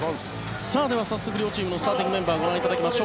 では早速、両チームのスターティングメンバーをご覧いただきましょう。